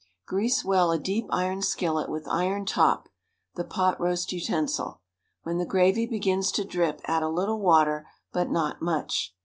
Grease well a deep iron skillet with iron top, the pot roast utensil. When the gravy begins to drip add a little water, but not much.